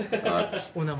お名前。